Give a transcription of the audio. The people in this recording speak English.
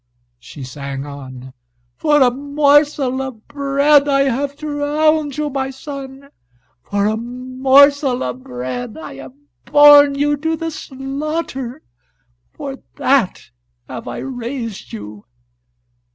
She sang on: "For a morsel of bread I have drowned you, my son! For a morsel of bread I have borne you to the slaughter! For that have I raised you!"